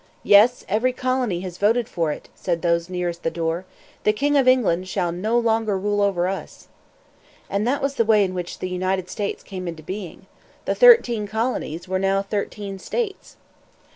"Yes, every colony has voted for it," said those nearest the door. "The King of England shall no longer rule over us." And that was the way in which the United States came into being. The thirteen colonies were now thirteen states.